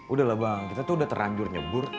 udah lah bang kita tuh udah teranjur nyebur